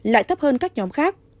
lại thấp hơn các nhóm khác